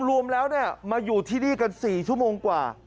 รวมแล้วมาอยู่ที่นี่กัน๔ชั่วโมงกว่า